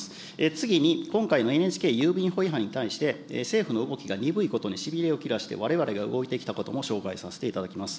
次に、今回のＮＨＫ郵便法違反に対して、政府の動きが鈍いことにしびれを切らしてわれわれが動いてきたことも紹介させていただきます。